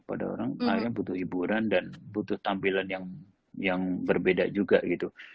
pada orang akhirnya butuh hiburan dan butuh tampilan yang berbeda juga gitu